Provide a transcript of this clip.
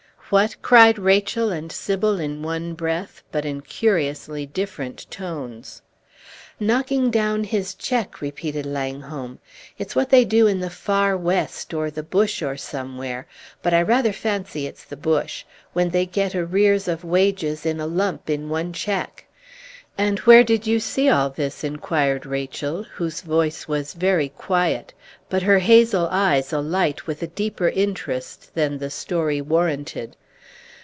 "What?" cried Rachel and Sybil in one breath, but in curiously different tones. "Knocking down his check," repeated Langholm. "It's what they do in the far west or the bush or somewhere but I rather fancy it's the bush when they get arrears of wages in a lump in one check." "And where did you see all this?" inquired Rachel, whose voice was very quiet, but her hazel eyes alight with a deeper interest than the story warranted.